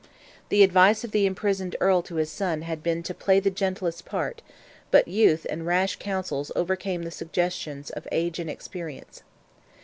The advice of the imprisoned Earl to his son had been "to play the gentlest part," but youth and rash counsels overcame the suggestions of age and experience.